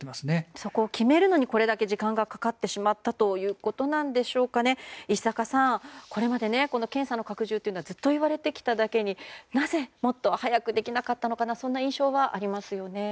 そこを決めるのにこんなに時間がかかってしまったということですが石坂さん、これまで検査の拡充はずっと言われてきただけになぜもっと早くできなかったのかそんな印象はありますね。